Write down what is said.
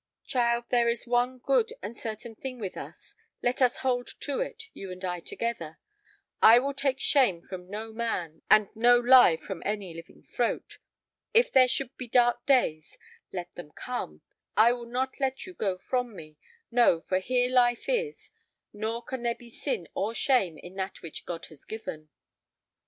"Child, there is one good and certain thing with us—let us hold to it, you and I together. I will take shame from no man, and no lie from any living throat. If there should be dark days, let them come; I will not let you go from me—no, for here life is, nor can there be sin or shame in that which God has given."